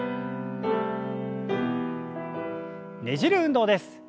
ねじる運動です。